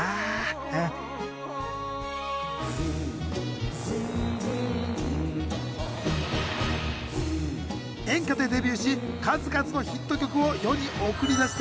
うん演歌でデビューし数々のヒット曲を世に送り出してきた氷川さん。